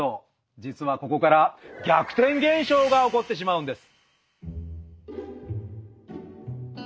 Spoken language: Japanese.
実はここから逆転現象が起こってしまうんです！